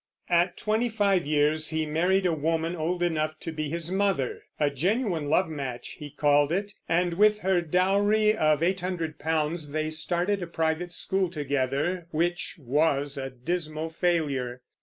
At twenty five years he married a woman old enough to be his mother, a genuine love match, he called it, and with her dowry of £800 they started a private school together, which was a dismal failure.